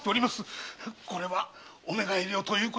これはお願い料ということで。